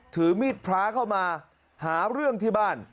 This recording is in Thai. ถือมีดพระเข้ามาหาเรื่องที่บ้าน